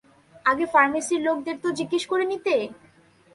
আগে ফার্মেসির লোকদের তো জিজ্ঞেস করে নিতে?